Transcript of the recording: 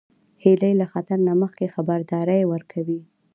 هیلۍ له خطر نه مخکې خبرداری ورکوي